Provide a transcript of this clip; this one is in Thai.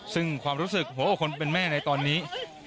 ซึ่งความรู้สึกหัวอกคนเป็นแม่ในตอนนี้